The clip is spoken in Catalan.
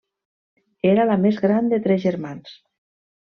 Era la més gran de tres germans.